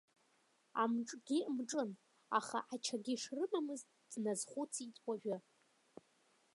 Амҿгьы мҿын, аха ачагьы шрымамыз дназхәыцит уажәы.